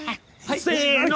せの。